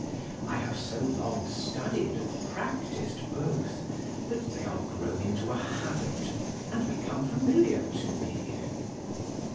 I have so long studied and practic'd both, that they are grown into a habit, and become familiar to me.